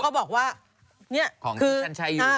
แบบนี้อยู่